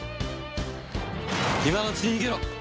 今のうちに逃げろ！